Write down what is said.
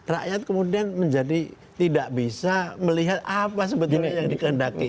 rakyat kemudian menjadi tidak bisa melihat apa sebetulnya yang dikendaki